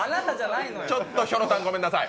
ちょっと、ひょろたん、ごめんなさい。